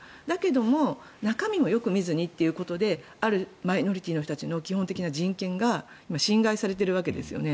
でも、中身も見ずにということであるマイノリティーの人たちの基本的人権が侵害されているわけですよね。